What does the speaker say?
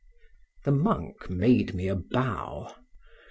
—The monk made me a bow.